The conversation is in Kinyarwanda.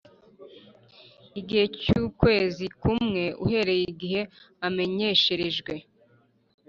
Igihe cy’ukwezi kumwe uhereye igihe amenyesherejweho